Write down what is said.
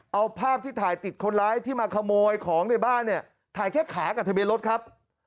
เอาภาพที่ถ่ายติดคนร้ายที่มาขโมยของในบ้านเนี่ยถ่ายแค่ขากับทะเบียนรถครับ